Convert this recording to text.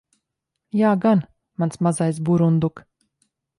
Jā gan, mans mazais burunduk.